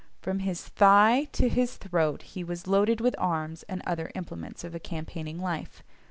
From his thigh to his throat he was loaded with arms and other implements of a campaigning life.